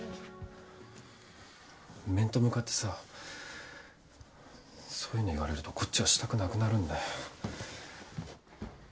面と向かってさそういうの言われるとこっちはしたくなくなるんだよ。